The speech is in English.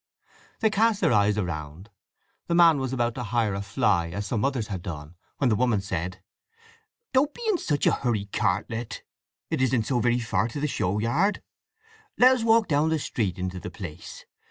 They cast their eyes around. The man was about to hire a fly as some others had done, when the woman said, "Don't be in such a hurry, Cartlett. It isn't so very far to the show yard. Let us walk down the street into the place.